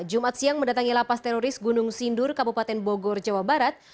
jumat siang mendatangi lapas teroris gunung sindur kabupaten bogor jawa barat